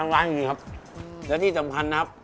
และที่สำคัญนะครับ